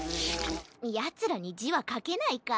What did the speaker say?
ヤツらにじはかけないか。